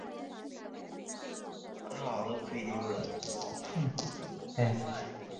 美熹德加利福尼亚大学中美熹德市近郊的一所大学。